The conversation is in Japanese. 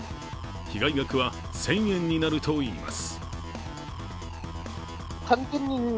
被害額は１０００円になるといいます。